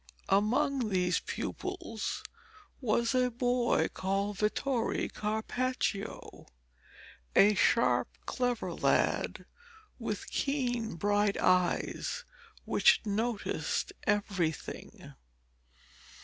Among these pupils was a boy called Vittore Carpaccio, a sharp, clever lad, with keen bright eyes which noticed everything.